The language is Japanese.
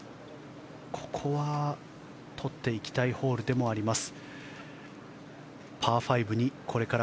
ここは取っていきたいホールでもあります。